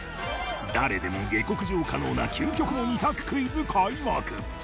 誰でも下克上可能な究極の２択クイズ開幕！